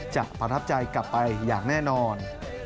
ประทับใจกลับไปอย่างแน่นอน